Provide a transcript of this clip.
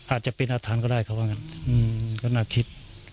อาจจะเป็นอาานก็ได้เขาอ้างั้นอืมก็น่าคิด